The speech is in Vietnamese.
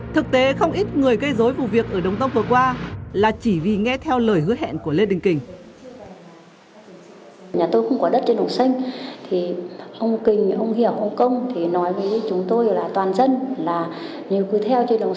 thực tế không ít người gây dối vụ việc ở đồng công vừa qua là chỉ vì nghe theo lời hứa hẹn của lê đình kình